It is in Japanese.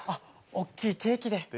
おっきいケーキで。